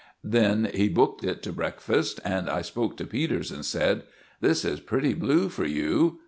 Then he hooked it to breakfast, and I spoke to Peters. I said— "This is pretty blue for you."